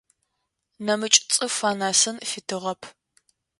Нэмыкӏ цӏыф анэсын фитыгъэп.